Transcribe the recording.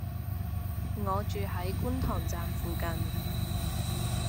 我住喺觀塘站附近